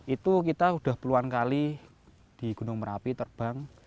itu kita sudah puluhan kali di gunung merapi terbang